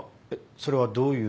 それはどういう？